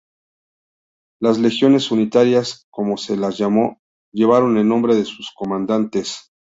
Las legiones unitarias, como se las llamo, llevaron el nombre de sus comandantes.